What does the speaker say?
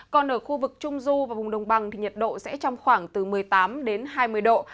còn ở khu vực trung du và vùng đồng bằng thì nhiệt độ sẽ trong khoảng từ một mươi tám đến hai mươi độ